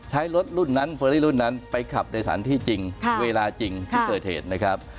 ใช้รถรุ่นนั้นเฟอรี่รุ่นนั้นไปขับในสถานที่จริงเวลาจริงที่เกิดเหตุนะครับ